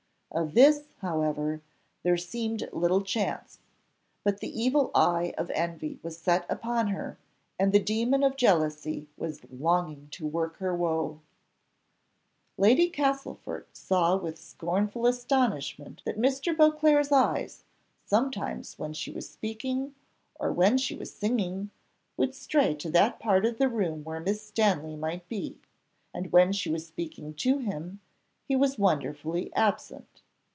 Of this, however, there seemed little chance; but the evil eye of envy was set upon her, and the demon of jealousy was longing to work her woe. Lady Castlefort saw with scornful astonishment that Mr. Beauclerc's eyes, sometimes when she was speaking, or when she was singing, would stray to that part of the room where Miss Stanley might be; and when she was speaking to him, he was wonderfully absent.